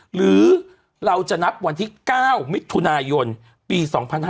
หรือเราจะนับวันที่๙มิถุนายนปี๒๕๕๙